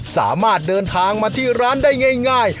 สามารถเดินทางมาที่ร้านได้ง่าย